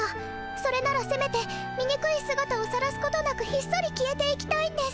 それならせめてみにくいすがたをさらすことなくひっそり消えていきたいんです。